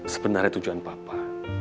sebenarnya tujuan papa